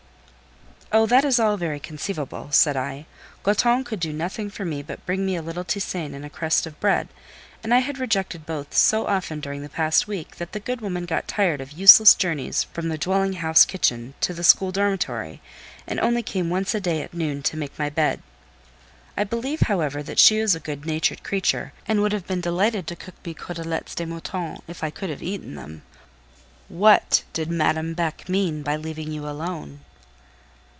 "Oh! all that is very conceivable," said I. "Goton could do nothing for me but bring me a little tisane and a crust of bread, and I had rejected both so often during the past week, that the good woman got tired of useless journeys from the dwelling house kitchen to the school dormitory, and only came once a day at noon to make my bed. I believe, however, that she is a good natured creature, and would have been delighted to cook me côtelettes de mouton, if I could have eaten them." "What did Madame Beck mean by leaving you alone?"